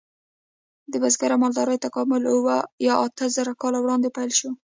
د بزګرۍ او مالدارۍ تکامل اوه یا اته زره کاله وړاندې پیل شو.